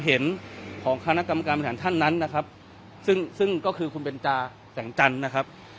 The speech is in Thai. เห็นของคณะกรรมการบริหารท่านนั้นนะครับซึ่งซึ่งก็คือคุณเบนจาแสงจันทร์นะครับ